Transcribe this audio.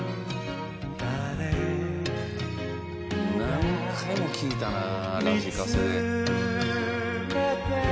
何回も聴いたなラジカセで。